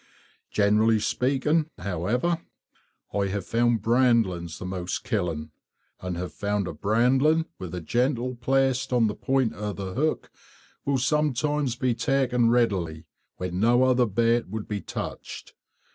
Generally speaking, however, I have found "brandlings" the most killing, and have found a brandling with a gentle placed on the point of the hook will sometimes be taken readily when no other bait would be touched.